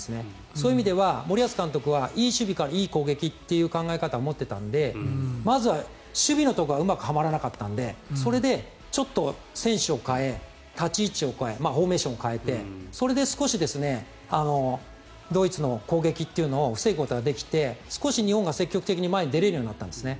そういう意味では森保監督はいい守備からいい攻撃という考え方を持っていたのでまずは守備のところがうまくはまらなかったのでそれで、ちょっと選手を代えて立ち位置を変えてフォーメーションを変えてそれで少しドイツの攻撃というのを防ぐことができて少し日本が積極的に前に出れるようになったんですね。